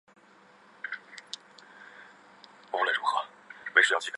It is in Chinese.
南面有两层高卵形学术报告厅。